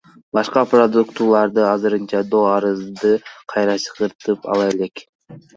Башкы прокуратура азырынча доо арызды кайра чакыртып ала элек.